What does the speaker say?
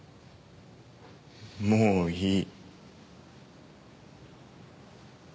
もういい。